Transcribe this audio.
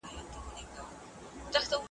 ټول پر دي مو وي شړلي خپل وطن خپل مو اختیار کې `